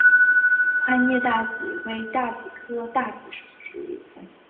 宽叶大戟为大戟科大戟属的植物。